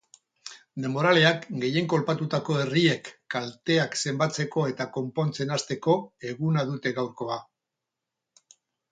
Denboraleak gehien kolpatutako herriek kalteak zenbatzeko eta konpontzen hasteko eguna dute gaurkoa.